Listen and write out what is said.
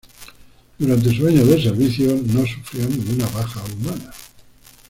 Durante sus años de servicio, no sufrió ninguna baja humana.